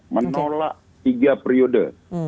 menolak tiga periode